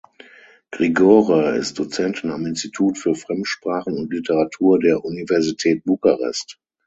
Grigore ist Dozentin am Institut für Fremdsprachen und Literatur der Universität Bukarest.